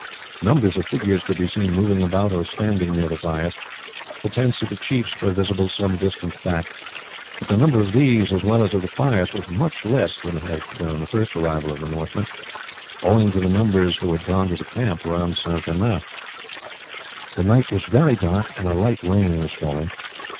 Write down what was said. Numbers of figures could be seen moving about or standing near the fires, the tents of the chiefs were visible some distance back, but the number of these as well as of the fires was much less than it had been on the first arrival of the Northmen, owing to the numbers who had gone to the camp round St. Germain. The night was very dark and a light rain was falling.